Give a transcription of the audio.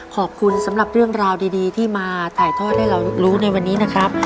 ขอบคุณสำหรับเรื่องราวดีที่มาถ่ายทอดให้เรารู้ในวันนี้นะครับ